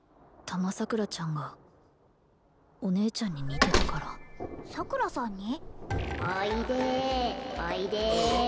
たまさくらちゃんがお姉ちゃんに似てたから桜さんに？